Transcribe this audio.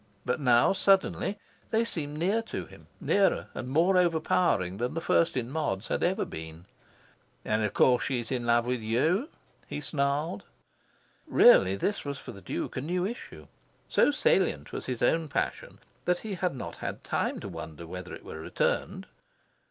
But now, suddenly, they seemed near to him nearer and more overpowering than the First in Mods had ever been. "And of course she's in love with you?" he snarled. Really, this was for the Duke a new issue. So salient was his own passion that he had not had time to wonder whether it were returned.